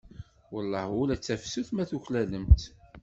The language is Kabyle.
Welleh ula d tafsut ma tuklalem-tt.